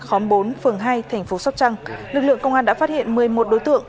khóm bốn phường hai thành phố sóc trăng lực lượng công an đã phát hiện một mươi một đối tượng